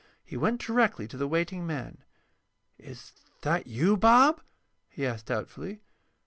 He went directly to the waiting man. "Is that you, Bob?" he asked, doubtfully.